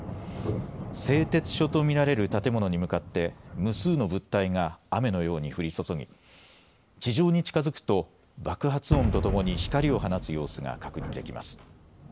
製鉄所と見られる建物に向かって無数の物体が雨のように降り注ぎ地上に近づくと爆発音とともに光りを放つ様子が確認できます。